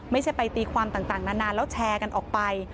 ไม่ใช่ไปตีความต่างนานแล้วแชร์กันออกไป